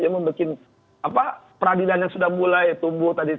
membuat peradilan yang sudah mulai tumbuh tadi